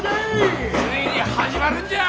ついに始まるんじゃ！